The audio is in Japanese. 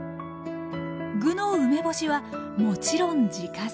具の梅干しはもちろん自家製。